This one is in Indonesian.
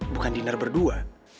bukan diner berdua